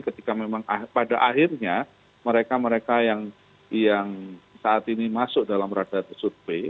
ketika memang pada akhirnya mereka mereka yang saat ini masuk dalam radar survei